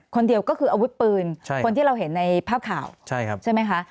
คนเดียวก็คืออาวุธปืนคนที่เราเห็นในภาพข่าวใช่ไหมคะ